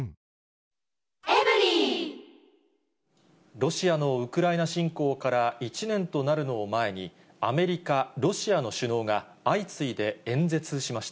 ロシアのウクライナ侵攻から１年となるのを前に、アメリカ、ロシアの首脳が相次いで演説しました。